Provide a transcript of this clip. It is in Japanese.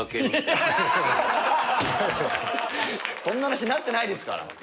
そんな話なってないですから。